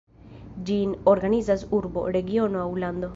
Ĝin organizas urbo, regiono aŭ lando.